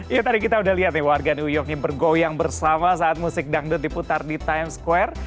ya tadi kita udah lihat nih warga new york ini bergoyang bersama saat musik dangdut diputar di times square